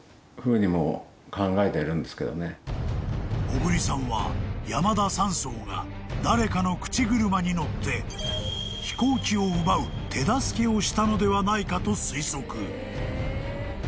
［小栗さんは山田三曹が誰かの口車に乗って飛行機を奪う手助けをしたのではないかと推測］